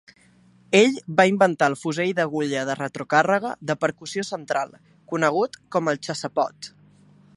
Ell va inventar el fusell d'agulla de retrocàrrega, de percussió central, conegut com el Chassepot.